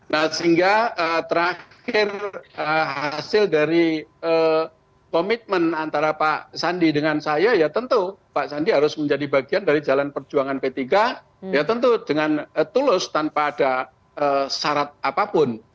nah sehingga terakhir hasil dari komitmen antara pak sandi dengan saya ya tentu pak sandi harus menjadi bagian dari jalan perjuangan p tiga ya tentu dengan tulus tanpa ada syarat apapun